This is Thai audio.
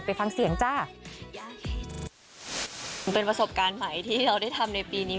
ไปฟังเสียงจ้ามันเป็นประสบการณ์ใหม่ที่เราได้ทำในปีนี้